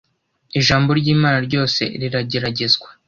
Ijambo ry’imana ryose rirageragezwa